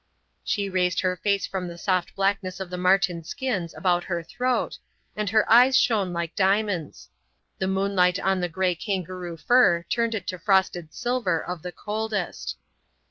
She raised her face from the soft blackness of the marten skins about her throat, and her eyes shone like diamonds. The moonlight on the gray kangaroo fur turned it to frosted silver of the coldest.